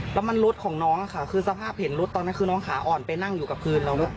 แล้วมันรถของน้องค่ะคือสภาพเห็นรถตอนนั้นคือน้องขาอ่อนไปนั่งอยู่กับพื้นแล้ว